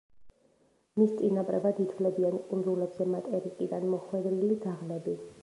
მის წინაპრებად ითვლებიან კუნძულებზე მატერიკიდან მოხვედრილი ძაღლები.